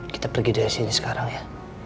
kita pergi dari sini sekarang ya